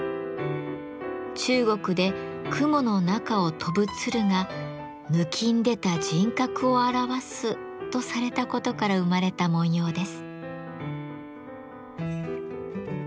中国で雲の中を飛ぶ鶴が「ぬきんでた人格を表す」とされたことから生まれた文様です。